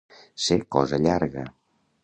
Ser cosa llarga.